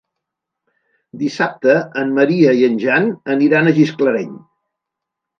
Dissabte en Maria i en Jan aniran a Gisclareny.